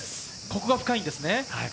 ここが深いんですね。